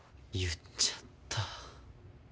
言っちゃった。